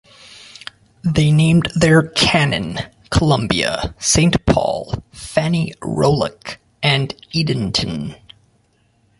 They named their cannon: "Columbia", "Saint Paul", "Fannie Roulac", and "Edenton".